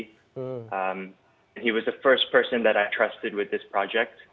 dia adalah orang pertama yang saya percaya dengan proyek ini